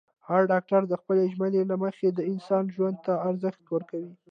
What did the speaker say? هر ډاکټر د خپلې ژمنې له مخې د انسان ژوند ته ارزښت ورکوي.